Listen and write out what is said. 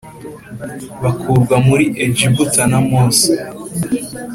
bakurwa muri egiputa na Mose.